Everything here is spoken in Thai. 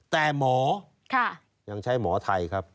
แต่หมอยังใช้หมอไทยครับ